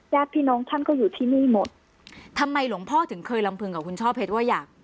ญาติพี่น้องท่านก็อยู่ที่นี่หมดทำไมหลวงพ่อถึงเคยลำพึงกับคุณช่อเพชรว่าอยาก